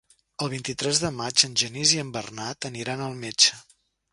El vint-i-tres de maig en Genís i en Bernat aniran al metge.